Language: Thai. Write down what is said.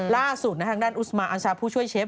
ล่าสุดทางด้านอุสมาอัญชาผู้ช่วยเชฟ